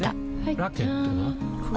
ラケットは？